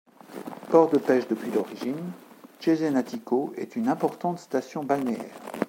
Port de pêche depuis l'origine, Cesenatico est une importante station balnéaire.